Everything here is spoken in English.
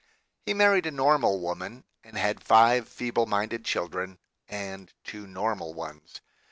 He married a normal woman and had five feeble minded children and two normal ones.